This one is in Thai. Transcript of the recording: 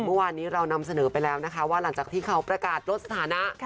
เมื่อวานนี้เรานำเสนอไปแล้วนะคะว่าหลังจากที่เขาประกาศลดสถานะ